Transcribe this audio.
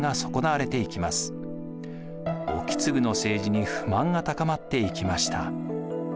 意次の政治に不満が高まっていきました。